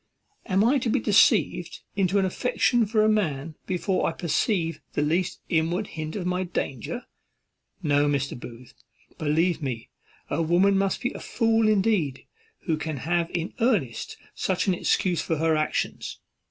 am I to be deceived into an affection for a man before I perceive the least inward hint of my danger? No, Mr. Booth, believe me, a woman must be a fool indeed who can have in earnest such an excuse for her actions.